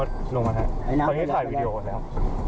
ตอนนี้ถ่ายวีดีโอแล้ว